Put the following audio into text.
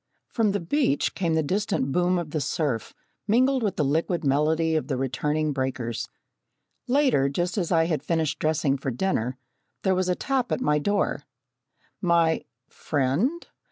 From the beach came the distant boom of the surf, mingled with the liquid melody of the returning breakers. Later, just as I had finished dressing for dinner, there was a tap at my door. My friend